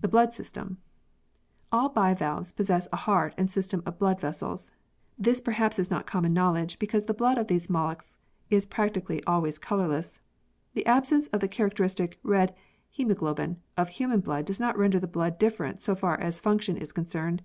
The Blood System. All bivalves possess a heart and system of blood vessels. This perhaps is not common knowledge, because the blood of these molluscs is practically always colourless. The absence of the characteristic red haemoglobin of human blood does not render the blood different so far as function is concerned.